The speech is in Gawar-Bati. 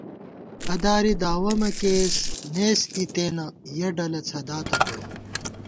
ہَداری دعوَہ مہ کېئیس، نېس اِتے نہ یَہ ڈلہ څھداتہ تو